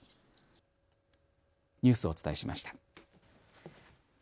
ニュースをお伝えしました。